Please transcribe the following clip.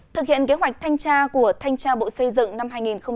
thực hiện kế hoạch thanh tra của thanh tra bộ xây dựng năm hai nghìn một mươi chín